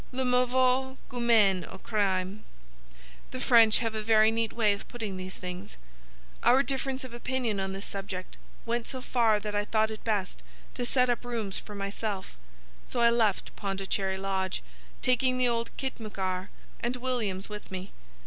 'Le mauvais goût mène au crime.' The French have a very neat way of putting these things. Our difference of opinion on this subject went so far that I thought it best to set up rooms for myself: so I left Pondicherry Lodge, taking the old khitmutgar and Williams with me.